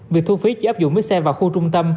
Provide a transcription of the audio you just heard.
việc thu phí chỉ áp dụng với xe vào khu trung tâm